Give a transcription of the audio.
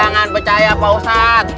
jangan percaya pak ustaz